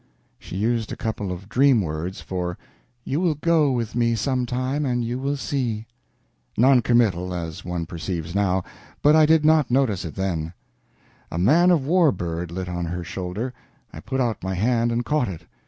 She used a couple of dream words for "You will go with me some time and you will see." Non committal, as one perceives now, but I did not notice it then. A man of war bird lit on her shoulder; I put out my hand and caught it.